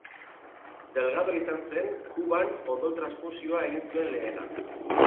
Delgado izan zen Kuban odol-transfusioa egin zuen lehena.